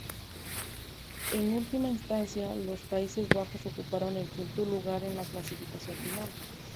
En última instancia, los Países Bajos ocuparon el quinto lugar en la clasificación final.